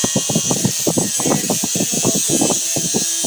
愧庵琴谱中国古琴谱。